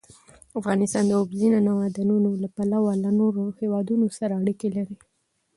افغانستان د اوبزین معدنونه له پلوه له نورو هېوادونو سره اړیکې لري.